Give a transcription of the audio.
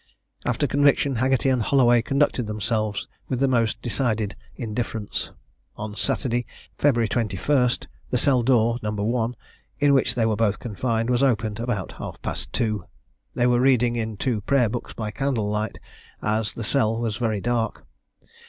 After conviction Haggerty and Holloway conducted themselves with the most decided indifference. On Saturday, February 21, the cell door, No. 1, in which they were both confined, was opened about half past two. They were reading in two prayer books by candle light, as the cell was very dark.